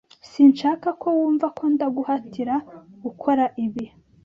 Sinshaka ko wumva ko ndaguhatira gukora ibi.